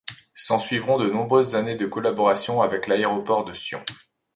S’ensuivront de nombreuses années de collaboration avec l’aéroport de Sion.